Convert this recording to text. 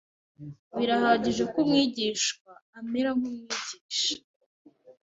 “Birahagije ko umwigishwa amera nk’Umwigisha